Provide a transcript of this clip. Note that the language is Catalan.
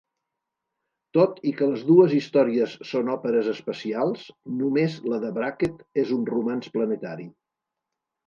Tot i que les dues històries són òperes espacials, només la de Brackett és un romanç planetari.